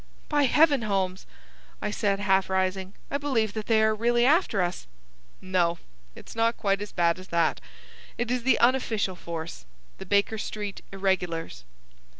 "By heaven, Holmes," I said, half rising, "I believe that they are really after us." "No, it's not quite so bad as that. It is the unofficial force,—the Baker Street irregulars."